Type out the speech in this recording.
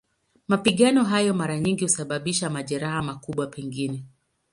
Mapigano hayo mara nyingi husababisha majeraha, makubwa pengine.